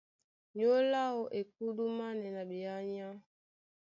Nyólo áō e kúdúmánɛ́ na ɓeánya.